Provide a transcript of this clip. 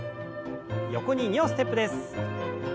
横に２歩ステップです。